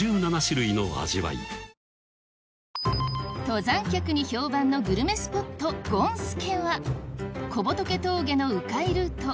登山客に評判のグルメスポットゴンスケは小仏峠の迂回ルート